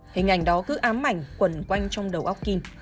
hình ảnh đó cứ ám ảnh quẩn quanh trong đầu óc kim